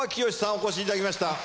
お越しいただきました。